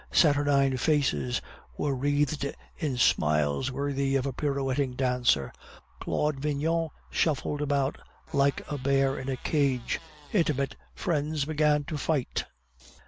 Saturnine faces were wreathed in smiles worthy of a pirouetting dancer. Claude Vignon shuffled about like a bear in a cage. Intimate friends began to fight.